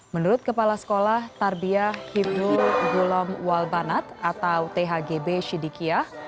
menurut kepala sekolah tarbiah hibdul gulom walbanat atau thgb sidikiyah